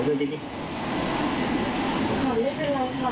ผิดผิดหนี้ใครวะ